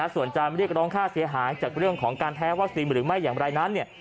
ส่วนจะเรียกร้องค่าเสียหายจากเรื่องของการแพ้วัคซีนหรือไม่อย่างไรนั้น